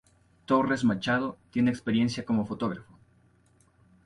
Torres-Machado tiene experiencia como fotógrafo.